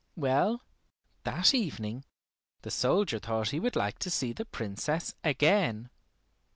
Well, that evening the soldier thought he would like to see the Princess again.